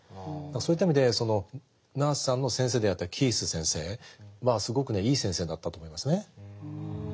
そういった意味でナースさんの先生であったキース先生はすごくねいい先生だったと思いますね。